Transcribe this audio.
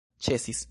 ĉesis